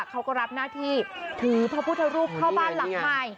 เขาก็รับหน้าที่ถือพระพุทธรูปเข้าบ้านหลังใหม่